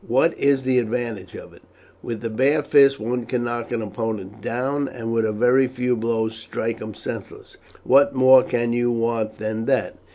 What is the advantage of it? With the bare fist one can knock an opponent down, and with a very few blows strike him senseless. What more can you want than that?"